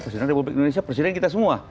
presiden republik indonesia presiden kita semua